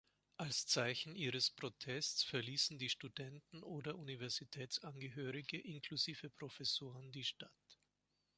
Als Zeichen ihres Protests verließen die Studenten oder Universitätsangehörige inklusive Professoren die Stadt.